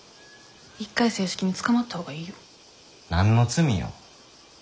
一回正式に捕まったほうがいいよ。何の罪よ？